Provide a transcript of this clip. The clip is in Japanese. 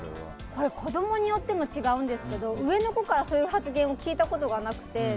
これ、子供によっても違うんですけど上の子からそういう発言を聞いたことがなくて。